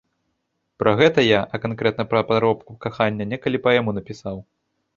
Пра гэта я, а канкрэтна пра падробку кахання, некалі паэму напісаў.